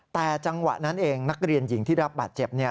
แต่จังหวะนั้นเองนักเรียนหญิงที่รับบาดเจ็บ